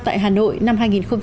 tại hà nội năm hai nghìn một mươi sáu